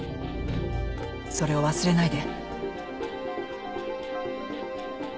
それを忘れないで